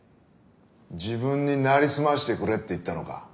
自分になりすましてくれって言ったのか。